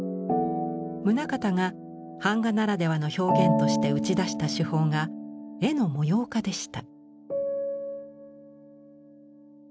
棟方が板画ならではの表現として打ち出した手法が絵の模様化でした。